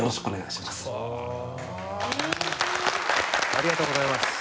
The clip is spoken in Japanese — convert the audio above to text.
ありがとうございます。